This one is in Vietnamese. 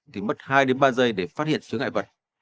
thì mất hai ba giây để phát hiện chứa ngại vật